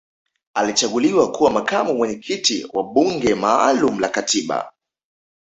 alichaguliwa kuwa makamu mwenyekiti wa bunge maalum la katiba